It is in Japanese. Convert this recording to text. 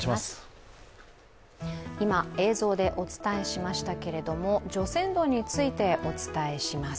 今、映像でお伝えしましたけれども、除染土についてお伝えします。